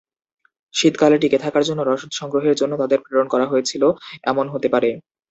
শীতকালে টিকে থাকার জন্য রসদ সংগ্রহের জন্য তাদের প্রেরণ করা হয়েছিল এমন হতে পারে।